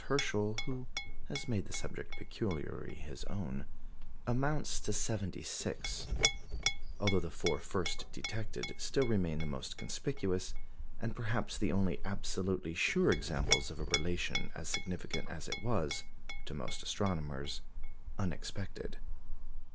Herschel (who has made the subject peculiarly his own) amounts to seventy six; although the four first detected still remain the most conspicuous, and perhaps the only absolutely sure examples of a relation as significant as it was, to most astronomers, unexpected.